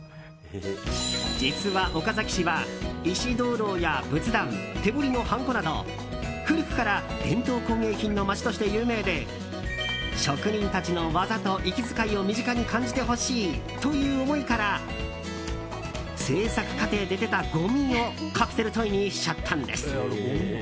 実は、岡崎市は石灯籠や仏壇手彫りのはんこなど古くから伝統工芸品の町として有名で職人たちの技と息遣いを身近に感じてほしいという思いから制作過程で出たごみをカプセルトイにしちゃったんです。